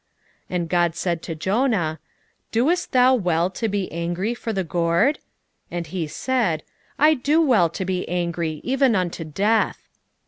4:9 And God said to Jonah, Doest thou well to be angry for the gourd? And he said, I do well to be angry, even unto death.